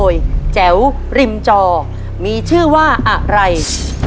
ยังเหลือเวลาทำไส้กรอกล่วงได้เยอะเลยลูก